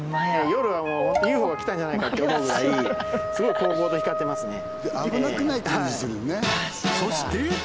夜はもうホントＵＦＯが来たんじゃないかって思うぐらいすごいこうこうと光ってますね